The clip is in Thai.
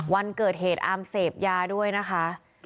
วันเกิดเหตุอาร์มเสพยาด้วยนะคะ